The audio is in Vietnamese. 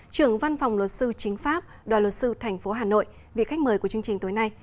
trưởng văn phòng luật sư chính pháp đòi luật sư tp hà nội vị khách mời của chương trình tối nay